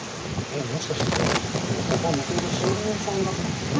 えっもしかしてじゃあここはもともと新聞屋さんだったんですか？